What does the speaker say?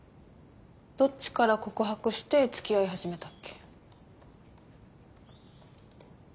どっちから告白して付き合い始めたっけ？